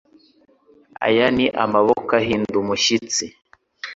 Aya ni amaboko ahinda umushyitsi